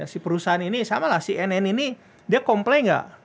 si perusahaan ini sama lah si nn ini dia komplain tidak